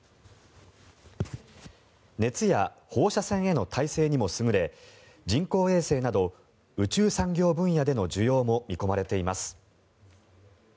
熱や放射線への耐性にも優れ人工衛星など宇宙産業分野での需要も見込まれています。